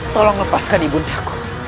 tolong lepaskan ibu ndaku